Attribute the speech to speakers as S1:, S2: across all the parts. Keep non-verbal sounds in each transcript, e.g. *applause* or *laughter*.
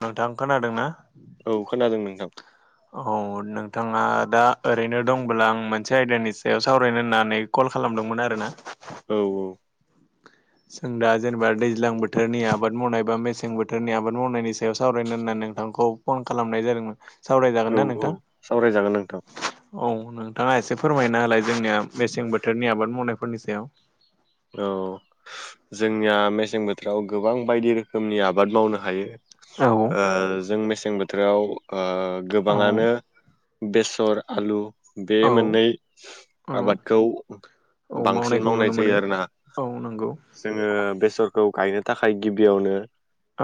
S1: नोंथांङा ओं खोनादों ना?
S2: औ खोनादों नोंथां।
S1: *inaudible* औ नोंथाङा दा ओरैनो दंबोला आं मोनसे आयदानि सायाव सावरायनो होननानै कल खालामदोंमोन आरो ना
S2: औ औ
S1: जों दा जेनेबा दैज्लां बोथोरनि आबाद मावनाय बा मेसें बोथोरनि आबाद मावनायनि सायाव सावरायनो होनना नोंथांखौ फन खालामनाय जादोंमोन सावरायजागोन
S2: औ
S1: ना
S2: औ
S1: नोंथां?
S2: सावरायजागोन नोंथां
S1: औ नोंथाङा एसे फोरमायना हालाय जोंनिया मेसें बोथोरनि आबाद मावनायफोरनि सायाव।
S2: औ जोंनिया मेसें बोथोराव गोबां बायदि रोखोमनि आबाद मावनो हायो।
S1: औ
S2: ओ जों मेसें बोथोराव ओ
S1: औ
S2: गोबाङानो बेसर आलु बे
S1: औ
S2: मोननै
S1: औ
S2: आबादखौ
S1: औ
S2: बांसिन
S1: मावनायखौ
S2: मावनाय
S1: नुनो मोनो
S2: जायो आरो
S1: औ नंगौ
S2: जोङो बेसरखौ गायनो थाखाय गिबियावनो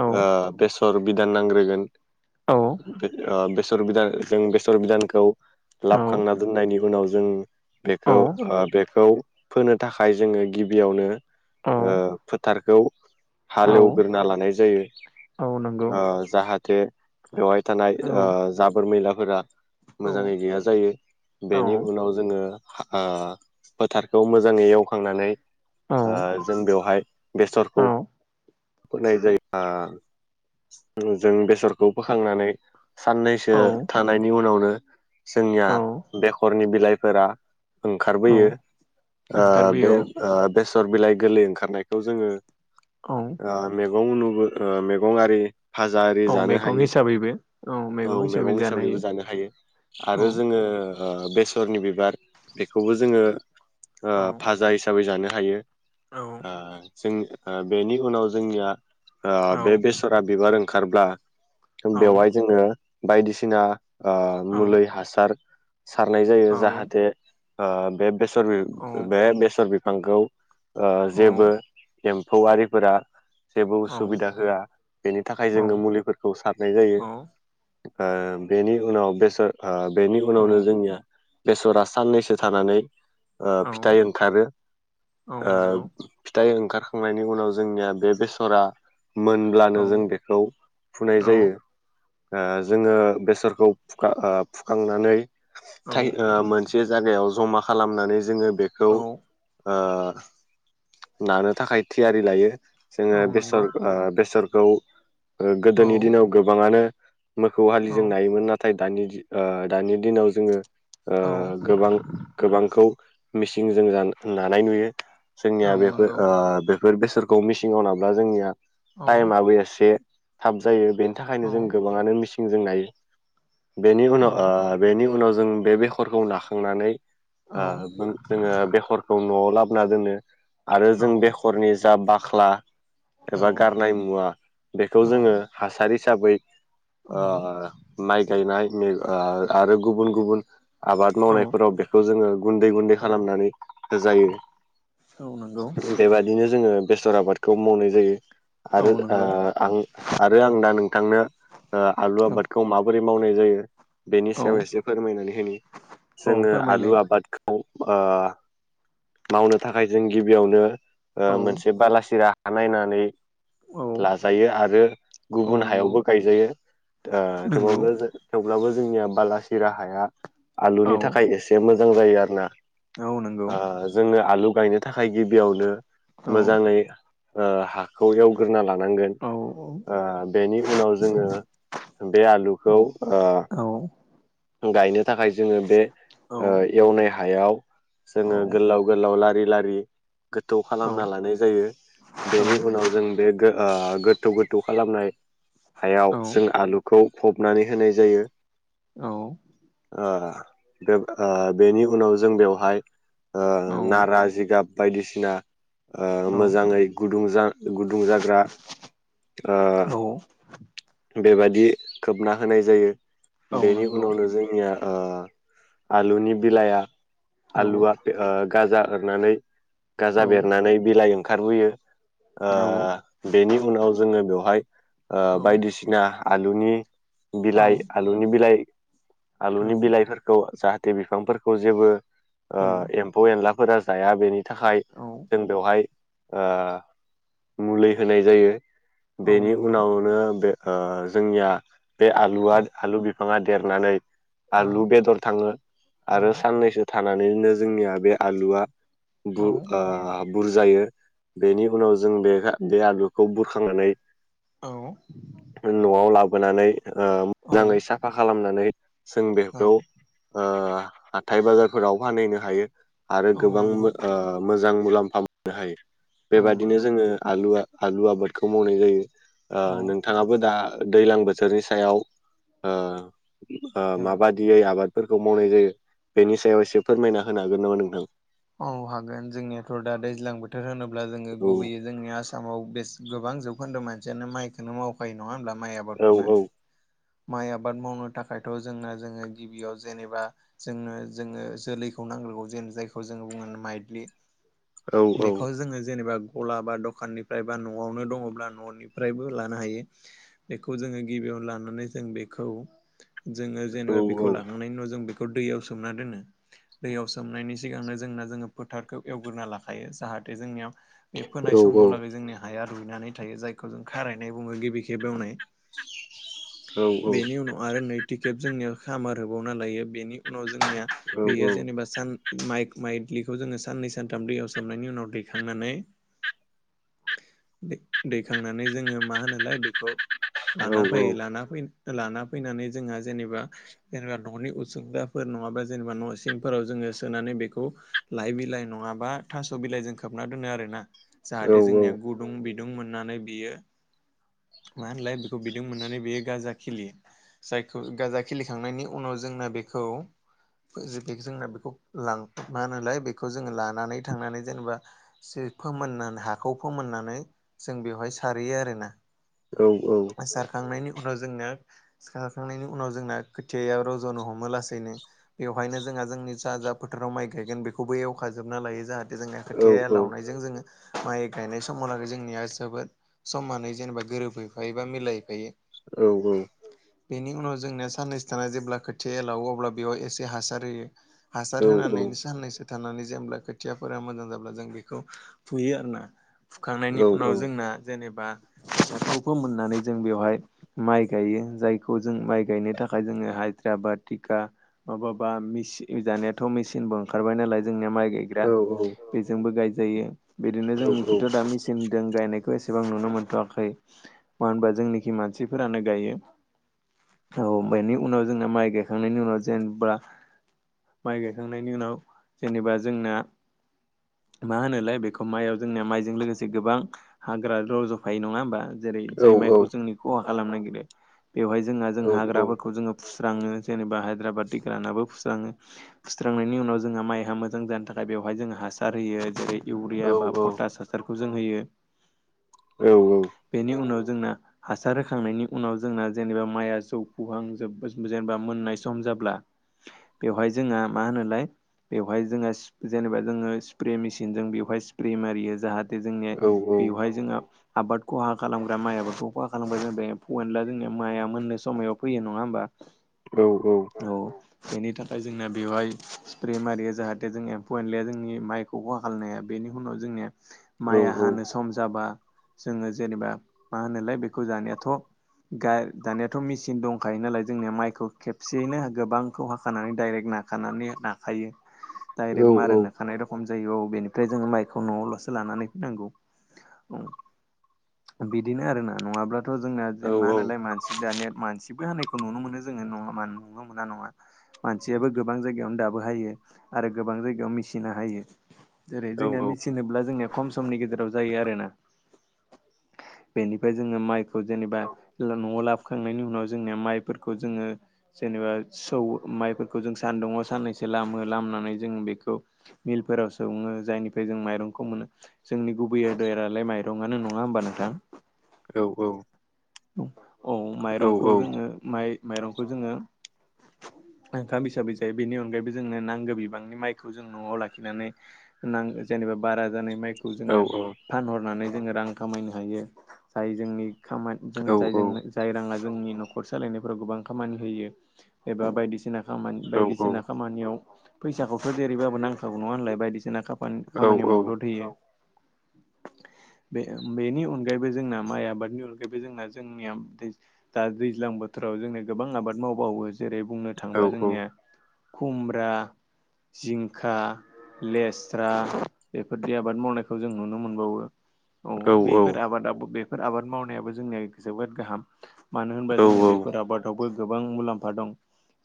S1: औ
S2: बेसर बिधान नांग्रोगोन
S1: औ
S2: ओ बेसर बिदान जों बेसर बिधानखौ
S1: औ
S2: लाबखांना दोननायनि उनाव जों
S1: औ
S2: बेखौ बेखौ फोनो थाखाय जोङो गिबियावनो फोथारखौ
S1: औ
S2: हालेवग्रोना लानाय जायो।
S1: औ नंगौ
S2: जाहाथे बेवहाय थानाय
S1: औ
S2: जाबोर मैलाफोरा
S1: औ
S2: मोजाङै गैया जायो
S1: औ
S2: बेनि उनाव जोङो ओ फोथारखौ मोजाङै एवखांनानै
S1: औ
S2: जों बेवहाय बेसरखौ
S1: औ
S2: फोनाय जायोबा जों बेसरखौ
S1: औ
S2: फोखांनानै साननैसो थानायनि उनावनो जोंनिया
S1: औ
S2: बेखरनि बिलाइफोरा
S1: औ
S2: ओंखारबोयो ओ बे
S1: ओंखारबोयो
S2: ओ बेसर बिलाइ गोरलै ओंखारनायखौ जोङो
S1: औ
S2: ओ मेगं नुबो ओ मेगं आरि फाजा आरि
S1: औ
S2: जानो
S1: मैगं
S2: हायो
S1: हिसाबैबो
S2: औ
S1: मैगं हिसाबै
S2: मेगं हिसाबैबो जानो हायो आरो जोङो ओ बेसरनि बिबार बेखौबो जोङो ओ
S1: औ
S2: फाजा हिसाबै जानो हायो।
S1: औ
S2: ओ जों ओ बेनि उनाव जोंनिया ओ
S1: औ
S2: बे बेसरा बिबार ओंखारब्ला
S1: औ
S2: बेवहाय जोङो बायदिसिना ओ
S1: औ
S2: मुलै हासार सारनाय जायो
S1: औ
S2: जाहाथे ओ बे बेसर बे
S1: औ
S2: बे बेसर बिफांखौ ओ
S1: औ
S2: जेबो एम्फौ आरिफोरा जेबो उसुबिदा होआ बेनि थाखाय जोङो मुलिफोरखौ सारनाय
S1: औ
S2: जायो। ओ बेनि उनाव बेसर ओ बेनि उनावनो जोंनिया बेसरा साननैसो थानानै ओ
S1: औ
S2: फिथाइ ओंखारो।
S1: औ नंगौ
S2: ओ फिथाइ ओंखारखांनायनि उनाव जोंनिया बे बेस'रा
S1: औ
S2: मोनब्लानो जों बेखौ
S1: औ
S2: फुनाय जायो। ओ जोङो बेस'रखौ फुखा ओ फुखांनानै
S1: औ
S2: थाय ओ मोनसे जायगायाव ज'मा खालामनानै जोङो बेखौ
S1: औ
S2: ओ नानो थाखाय थियारि लायो।
S1: औ
S2: जोङो बेस'र
S1: नंगौ
S2: ओ बेस'रखौ ओ गोदोनि
S1: औ
S2: दिनाव गोबाङानो मोखौ हालिजों
S1: औ
S2: नायोमोन नाथाय दानि ओ दानि दिनाव जोङो ओ
S1: औ
S2: गोबां गोबांखौ मिसिंजों जान नानाय नुयो।
S1: औ
S2: जोंनिया बेफोर
S1: नंगौ
S2: ओ बेफोर बेस'रखौ मिसिंआव नाब्ला जोंनिया
S1: औ
S2: टाइमाबो एसे थाब जायो बेनि
S1: औ
S2: थाखायनो जों गोबाङानो मिसिं जों नायो बेनि
S1: औ
S2: उनाव ओ बेनि उनाव जों बे बेख'रखौ नाखांनानै
S1: औ
S2: ओ जोङो बेखर न'आव लाबोना दोनो आरो जों बेखरनि जा बाख्ला एबा गारनाय मुवा बेखौ
S1: औ
S2: जोङो हासार हिसाबै ओ
S1: औ
S2: माइ गायनाय मे ओ आरो गुबुन गुबुन आबाद
S1: औ
S2: मावनायफोराव बेखौ जोङो गुन्दै गुन्दै
S1: औ
S2: खालामनानै होजायो।
S1: औ नोंगौ।
S2: बेबादिनो जोङो बेस'र आबादखौ मावनाय जायो आरो
S1: औ
S2: आ
S1: नंगौ
S2: आं आरो आं दा नोंथांनो ओ आलु
S1: औ
S2: आबादखौ माबोरै मावनाय जायो बेनि
S1: औ
S2: सायाव एसे फोरमायनानै होनि
S1: औ
S2: जोङो
S1: फोरमायलाय
S2: आलु आबादखौ ओ मावनो थाखाय जों गिबियावनो ओ
S1: औ
S2: मोनसे बालासिरा हा नायनानै
S1: औ
S2: लाजायो आरो
S1: औ
S2: गुबुन
S1: नंगौ
S2: हायावबो गायजायो ओ
S1: नंगौ
S2: थेवबाबो जों थेवब्लाबो जोंनिया बालासिरा हाया
S1: औ
S2: आलुनि थाखाय एसे मोजां जायो आरोना।
S1: औ नंगौ
S2: ओ जोङो आलु गायनो थाखाय गिबियावनो
S1: औ
S2: मोजाङै ओ हा खौ एवग्रोना लानांगो।
S1: औ
S2: ओ बेनि उनाव जोङो बे
S1: औ
S2: आलुखौ ओ
S1: औ
S2: गायनो थाखाय जोङो बे ओ
S1: औ
S2: एवनाय हायाव जोङो
S1: औ औ
S2: गोलाव गोलाव लारि लारि गोथौ खालामना लानाय जायो बेनि उनाव जों बे गो ओ गोथौ गोथौ खालामनाय हायाव
S1: औ
S2: जों आलुखौ फबनानै होनाय जायो।
S1: औ
S2: ओ बे ओ बेनि उनाव जों बेवहाय ओ
S1: औ
S2: नारा जिगाब बायदिसिना ओ मोजाङै गुदुंजों गुदुं जाग्रा ओ
S1: औ
S2: बेबादि खोबना होनाय जायो
S1: औ
S2: बेनि
S1: नंगौ
S2: उनावनो जोंनिया ओ आलुनि बिलाइया
S1: औ
S2: आलुआ ओ गाजा होरनानै गाजा
S1: औ
S2: बेरनानै बिलाइ ओंखारबोयो। ओ
S1: औ
S2: बेनि उनाव जोङो बेवहाय ओ बायदिसिन ना आलुनि
S1: औ
S2: बिलाइ आलुनि बिलाइ
S1: औ
S2: आलुनि बिलाइफोर औ जाहाथे बिफांफोरखौ जेबो ओ एम्फौ एनलाफोरा जाया बेनि थाखाय
S1: औ
S2: जों बेवहाय ओ मुलि होनाय जायो।
S1: औ
S2: बेनि
S1: नंगौ
S2: उनावनो बे ओ जोंनिया बे आलुआ
S1: औ
S2: आलु बि फाङा देरनानै
S1: औ
S2: आलु बेदर थाङो
S1: औ
S2: आरो साननैसो थानानैनो जोंनिया बे आलुआ बु-ओ
S1: औ
S2: बुरजायो। बेनि उनाव जों बे बे आलुखौ बुरखांनानै
S1: औ।
S2: न'आव लाबोनानै ओ
S1: औ
S2: मोजाङै साफा खालामनानै जों बेखौ ओ हाथाइ बाजारफोराव फानहैनो हायो आरो
S1: औ
S2: गोबां ओ
S1: नंगौ
S2: मोजां मुलाम्फा मोननो हायो।
S1: औ
S2: बेबादिनो
S1: नंगौ
S2: जोङो आलुआ आलु आबादखौ मावनाय जायो। ओ
S1: औ
S2: नों थाङाबो दा दैलां बोथोरनि सायाव ओ ओ
S1: औ
S2: माबा दियै आबादफोरखौ मावनाय जायो बेनि सायाव एसे फोरमायना होनो हागोन नामा नोंथां?
S1: औ हागोन, जोंनियाथ' दा दैज्लां बोथोर होनोब्ला जोङो
S2: औ
S1: गुबैयै जोंनि आसामाव बेस-गोबां जौखोन्दो मानसियानो माइखौनो मावखायो नङा होमब्ला माइ
S2: औ
S1: आबादखौनो
S2: औ।
S1: माइ आबाद मावनो थाखायथ' जोंना जोङो गिबियाव जेनेबा जोंनो जोङो जोलैखौ नांग्रोगौ जेन जायखौ जोङो बुङो माइद्लि।
S2: औ औ
S1: बेखौ जोङो जेनेबा गला बा दखाननिफ्राय बा न'आवनो दङ'ब्ला न'निफ्रायबो लानो हायो। बेखौ जोङो गिबियावनो लानानै जों बेखौ जोङो
S2: औ
S1: जेनेबा बेखौ लाखांनायनि उनाव जों बेखौ दैयाव सोमना दोनो दैयाव सोमनायनि सिगांनो जोंना जोङो फोथारखौ एवगोरना लाखायो जाहाथे जोंनियाव बे
S2: औ
S1: फोनाय
S2: औ
S1: समहालागै जोंनि हाया रुइनानै थायो जायखौ जों खारायनाय बुङो गिबि खेब बेवनाय। बेनि उनाव आरो नैथि खेब जोंनियाव खामार होबावना लायो बेनि उनाव जोंनिया बेयो जेनेबा सान माइ माइद्लिखौ जोङो साननै सानथाम दैयाव सोमनायनि उनाव दैखांनानै दै-दैखांनानै जोङो मा होनोलाय बेखौ लाना फैयो लाना *unintelligible* लाना फैनानै जोंहा जेनेबा जेनेबा न'नि उसुंगाफोर नङाबा जेन'बा न' सिंफोराव जोङो सोनानै बेखौ लाइ बिलाइ नङाबा थास' बिलाइजों खोबना दोनो आरोना जाहाथे जोंनिया गुदुं बिदुं मोननानै बियो मा होनलाय बेखौ बिदुं मोननानै बियो गाजा खिलियो, जायखौ गाजा खिलिखांनायनि उनाव जोंना बेखौ ओ जे बेख जोंना बेखौ लां मा होनोलाय बेखौ जोङो लानानै थांनानै जेन'बा जे फोमोननान हाखौ फोमोननानै जों बेवहाय सारहैयो आरोना।
S2: औ औ।
S1: सारखांनायनि उनाव जोंना सारखांनायनि उनाव जोंना खोथियाआ रज'नो हमो लासैनो। बेवहायनो जोंहा जोंनि जा जा फोथाराव माइ गायगोन बेखौबो एवखाजोबना लायो जाहा जोंना खोथियाआ लावनायजों जोङो माइ गायनाय समावलागै जोंनिया जोबोद समानै जेनेबा गोरोबो फायोबा मिलायहैफायो।
S2: औ औ।
S1: बेनि उनाव जोंनिया साननैसो थाना जेब्ला खोथियाआ लाउवो अब्ला बेयाव एसे हासार होयो हासार होनानैनो सान्नैसो थानानै जेनब्ला खोथियाफोरा मोजां जाब्ला जों बेखौ फुयो आरोना। फुखांनायनि उनाव जोंना जेनेबा *unintelligible* खौ मोननानै जों बेवहाय माइ गाइयो जायखौ जों माइ गायनो थाखाय जोङो हाजिरा बा थिखा माबाबा मेसि दानियाथ' मेसिनबो ओंखारबाय नालाय जोंनिया माइ गाइग्रा बेजोंबो गाइजायो, बेदिनो जोंनिथिंथ' दा मेसि थनदों गायनायखौ एसेबां नुनो मोनथ'वाखै। मानो होनबा जोंनिखि मानसिफोरानो गायो। औ बेनि उनाव जोंना माइ गायखांनायनि उनाव जेनेबा माइ गायखांनायनि उनाव जेनेबा जोंना मा होनोलाय बेखौ माइआव जोंनिया माइजों लोगोसे गोबां हाग्रा रज'फायो नङा होमबा। जेरै जाय माइखौ जोंनि खहा खालामनो नागिरो बेवहाय जोंहा जों हाग्राफोरखौ जोङो फुस्राङो जेनेबा हायद्राबाद दिग्रानाबो फुस्राङो सुस्रांनायनि उनाव जोंहा माइहा मोजां जानो थाखाय बेवहाय जोङो हासार होयो जेरै इउरिया बा पटास हासारखौ जों होयो।
S2: औ औ।
S1: बेनि उनाव जोंना हासार होखांनायनि उनाव जोंना जेनेबा माइआ जौ फुहां जोब जेनेबा मोननाय सम जाब्ला बेवहाय जोंहा मा होनोलाय बेवहाय जोंहा स्प जेनेबा जोङो स्प्रे मेसिनजों बेवहाय स्प्रे मारियो जाहा जोंनि बेवहाय जोङो आबाद खहा खालामग्रा माइफोरखौ खहा खालामबानो ज फेनला जोंनिया माइआ मोननै समायाव फैयो नङा होमबा? *inaudible*
S2: औ औ।
S1: औ बेनि थाखाय जोंना बेवहाय स्प्रे मारियो जाहाथे जों एम्फौ एनलिया जोंनि माइ खहा खालायनो हाया बेनि उनाव जोंनिया माइया हानो सम जाबा जोङो जेनेबा मा होनोलाय बेखौ जानायाथ' गाय- दानियााथ' मिसिन दंखायो नालाय जोंनिया माइखौ खेबसेयैनो गोबांखौ हाखानानै दडाइरेक्ट ना खानानै नाखायो दडाइरेक् मार होन नखानाय दं खम जायो औ बेनिफ्राय जोङो माइखौ न'आव ल'सो लानानै फैनांगौ। बिदिनो आरोना नङाब्लाथ' जोंना ज मा होनालाय म *unintelligible* मानसिबो होनायखौ नुनो मोनो जोङो नङा म नुनो मोना नङा मानसियाबो गोबां जायगायावनो दाबो हायो आरो गोबां जायगायाव मिसिना हायो। जेरै जोंनिया मेचिन होब्ला जोंनिया खम समनि गेजेराव जायो आरोना। बेनिफ्राय जोङो माइखौ जेनेबा न'आव लाबोखांनायनि उनाव जोंनिया माइफोरखौ जोङो जेनेबा सौ माइफोरखौ जों सानदुङाव साननैसो लामो लामनानै जों बेखौ मिलफोराव सङो जायनिफ्राय जों माइरंखौ मोनो जोंनि गुबैयदालाय माइरङा नङा होमबा नोंथां?
S2: औ औ।
S1: औ माइरंखौ जोङो माइ माइरंखौ जोङो ओंखाम हिसाबै जायो बेनि अनगायैबो जोंनो नांगौ बिबांनि माइखौ जों न'आव लाखिनानै नांग जेनेबा बारा जानाय माइ खौ जोङो फानहरनानै जोङो रां खामायनो हायो जाय जोंनि खामा जों जायजों जाय राङा जोंनि न'खर सालायनायफोराव गोबां खामानि होयो एबा बायदिसिना खामा- बायदिसिना खामानियाव फैसाखौथ' जेरैबाबो नांखागौ नङा होनलाय बायदिसिना खामा खा- खामानियाव मदद होयो बे बेनि अनगायैबो जोंना माइ आबादनि अनगै बे जोंना जोंनिया दा दैज्लां बोथोराव जोंनो गोबां आबाद मावबावो जेरै बुंनो थाङोब्ला जोंनिया खुमब्रा जिंखा, लेस्रा बेफोरदि आबाद मावनायखौ जों नुनो मोनबावो। औ बेफोर आबादाबो बेफोर आबाद मावनायाबो जोंनिया जोबोद गाहाम मानो होनबा जोंहा बेफोर आबादावबो गोबां मुलाम्फा दं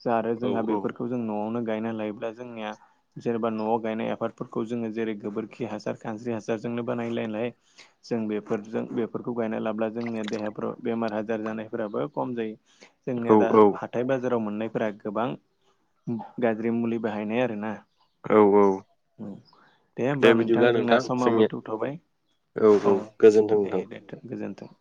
S1: जा आरो जोंहा बेफोर खौ जों न'आवनो गायना लायोब्ला जोंनिया जेनेबा न'आव गायनाय आफबादफोरखौ जोङो जेरै गोबोरखि हासार खानस्रि हासारजोंनो बानायलायनाय जों बेफोरजों बेफोरखौ गायना लाबोब्ला जोंनिया देहाफ्राव बेमार आजार जानायफोराबो खम जायो जोंनिया दा हा हाथाय बाजाराव मोननायफोरा गोबां गाज्रि मुलि बाहायनाय आरोना औ दे होमबा नोंथां
S2: बिदिब्ला
S1: जोंना समावबो
S2: जोंनिया
S1: थौथ'बाय औ दे दोनथों गोजोनथों